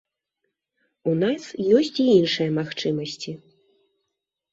У нас ёсць і іншыя магчымасці.